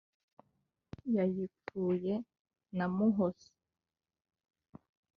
Yayipfuye na Muhozi